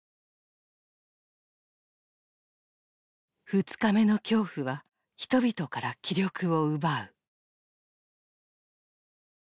二日目の恐怖は人々から気力を奪う。